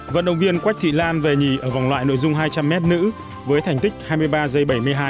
vận động viên quách thị lan về nhì ở vòng loại nội dung hai trăm linh m nữ với thành tích hai mươi ba giây bảy mươi hai